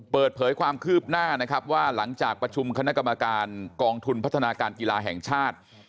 เปิดเผยความคืบหน้านะครับว่าหลังจากประชุมคณะกรรมการกองทุนพัฒนาการกีฬาแห่งชาติ